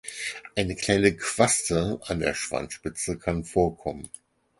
Eine kleine Quaste an der Schwanzspitze kann vorkommen.